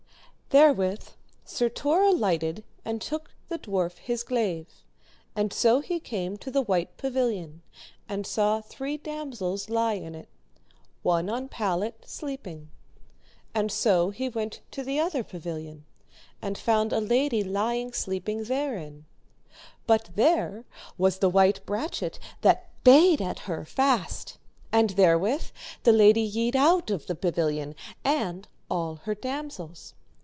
Therewith Sir Tor alighted and took the dwarf his glaive, and so he came to the white pavilion, and saw three damosels lie in it, on one pallet, sleeping, and so he went to the other pavilion, and found a lady lying sleeping therein, but there was the white brachet that bayed at her fast, and therewith the lady yede out of the pavilion and all her damosels.